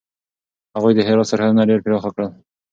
هغوی د هرات سرحدونه ډېر پراخه کړل.